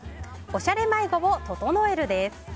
おしゃれ迷子を整えるです。